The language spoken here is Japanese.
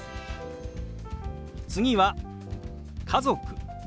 次は「家族」。